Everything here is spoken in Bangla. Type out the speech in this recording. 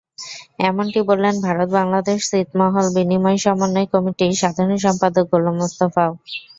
এমনটি বললেন ভারত-বাংলাদেশ ছিটমহল বিনিময় সমন্বয় কমিটির সাধারণ সম্পাদক গোলাম মোস্তফাও।